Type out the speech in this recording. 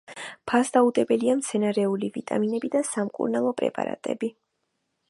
ფასდაუდებელია მცენარეული ვიტამინები და სამკურნალო პრეპარატები.